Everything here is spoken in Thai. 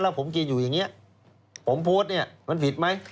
แล้วผมกินอยู่อย่างนี้ผมโพสต์เนี่ยมันผิดไหม